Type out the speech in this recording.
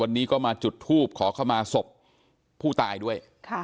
วันนี้ก็มาจุดทูบขอเข้ามาศพผู้ตายด้วย